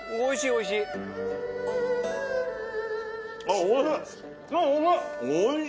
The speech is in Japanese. おいしい。